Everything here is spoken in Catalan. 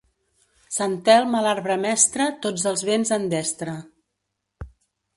Sant Elm a l'arbre mestre, tots els vents en destre.